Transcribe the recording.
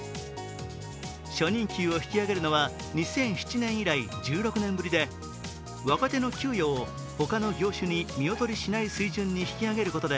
初任給を引き上げるのは２００７年以来、１６年ぶりで若手の給料を他の業種に見劣りしない水準に引き上げることで